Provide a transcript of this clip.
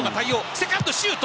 セカンド、シュート。